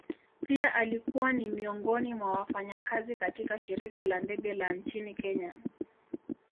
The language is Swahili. Pia alikuwa ni miongoni mwa wafanyakazi katika shirika la ndege la nchini kenya.